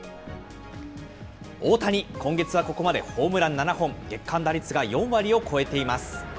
大谷、今月はここまでホームラン７本、月間打率が４割を超えています。